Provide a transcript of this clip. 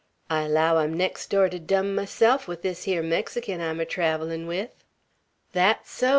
I allow I'm next door to dumb myself with this hyar Mexican I'm er travellin' with." "That's so!"